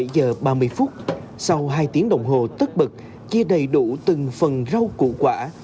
bảy giờ ba mươi phút sau hai tiếng đồng hồ tất bật chia đầy đủ từng phần rau củ quả